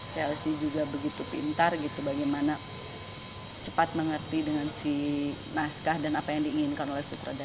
chelsea juga begitu pintar gitu bagaimana cepat mengerti dengan si naskah dan apa yang diinginkan oleh sutradara